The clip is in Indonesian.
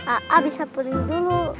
a a bisa pulih dulu